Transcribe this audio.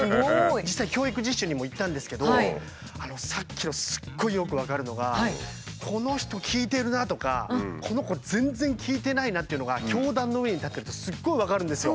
さっきのすごいよく分かるのがこの人聞いてるなあとかこの子全然聞いてないなっていうのが教壇の上に立ってるとすごい分かるんですよ。